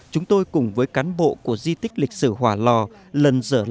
chúng tôi cùng với cán bộ của di tích lịch sử hòa lò lần dở lại những trang tư liệu quý báu